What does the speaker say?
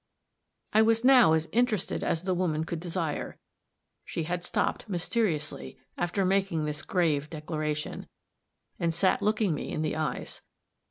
I was now as interested as the woman could desire; she had stopped, mysteriously, after making this grave declaration, and sat looking me in the eyes.